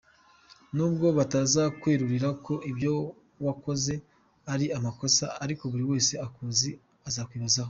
Nubwo batazakwerurira ko ibyo wakoze ari amakosa ariko buri wese ukuzi azakwibazaho.